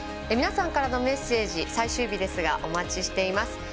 皆さんからのメッセージ最終日ですがお待ちしています。